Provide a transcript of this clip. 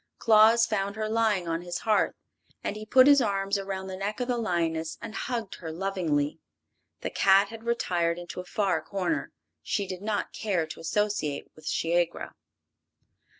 Claus found her lying on his hearth, and he put his arms around the neck of the lioness and hugged her lovingly. The cat had retired into a far corner. She did not care to associate with Shiegra.